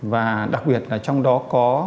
và đặc biệt là trong đó có